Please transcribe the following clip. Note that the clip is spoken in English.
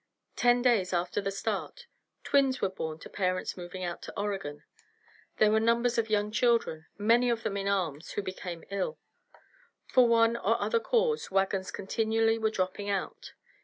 Ten days after the start twins were born to parents moving out to Oregon. There were numbers of young children, many of them in arms, who became ill. For one or other cause, wagons continually were dropping out.